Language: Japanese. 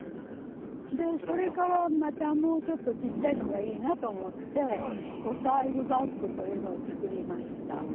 でそれからまたもうちょっとちっちゃいのがいいなと思って「お財布バッグ」というのを作りました。